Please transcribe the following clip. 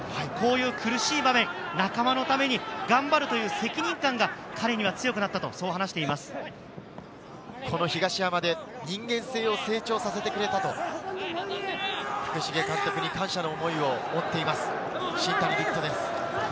こういう苦しい場面、仲間のために頑張るという責任感が彼には強くなったと話してこの東山で人間性を成長させてくれたと、福重監督に感謝の思いを持っています、新谷陸斗です。